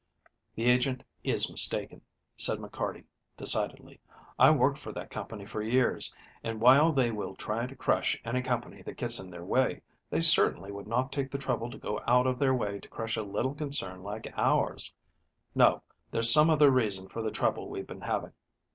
"The agent is mistaken," said McCarty, decidedly. "I worked for that company for years, and, while they will try to crush any company that gets in their way, they certainly would not take the trouble to go out of their way to crush a little concern like ours. No, there's some other reason for the trouble we've been having.